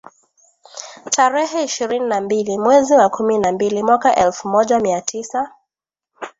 tarehe ishirini na mbili mwezi wa kumi na mbili mwaka elfu moja mia tisa